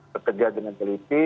bekerja dengan teliti